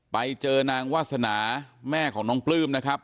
ไปเจอนางวาสนาแม่ของน้องปลื้มนะครับ